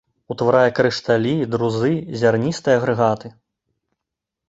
Утварае крышталі, друзы, зярністыя агрэгаты.